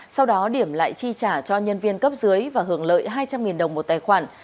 sau đó điểm lại chi trả cho nhân viên cấp dưới và hưởng lợi hai trăm linh đồng một tài khoản